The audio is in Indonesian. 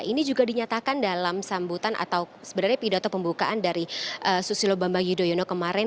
ini juga dinyatakan dalam sambutan atau sebenarnya pidato pembukaan dari susilo bambang yudhoyono kemarin